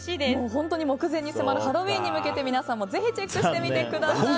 本当に目前に迫るハロウィーンに向けて皆さんもぜひ、チェックしてみてください。